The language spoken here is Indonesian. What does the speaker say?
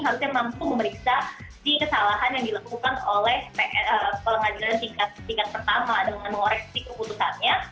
harusnya mampu memeriksa di kesalahan yang dilakukan oleh pengadilan tingkat pertama dengan mengoreksi keputusannya